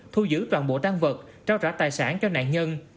thu giữ toàn bộ tan vật trao trả tài sản cho nạn nhân